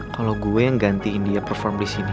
kalau gue yang gantiin dia perform di sini